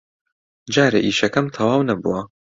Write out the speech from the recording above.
جارێ ئیشەکەم تەواو نەبووە.